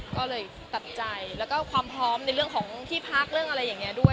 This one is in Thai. ก็เลยตัดใจเรื่องของพร้อมพร้อมในเรื่องพิพัก์ด้วย